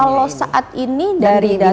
kalau saat ini dari